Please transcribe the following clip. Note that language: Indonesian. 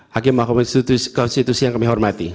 hakim mahkamah konstitusi yang kami hormati